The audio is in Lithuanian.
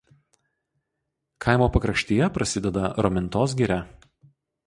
Kaimo pakraštyje prasideda Romintos giria.